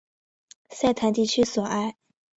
塞坦地区索埃。